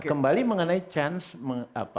kembali mengenai chance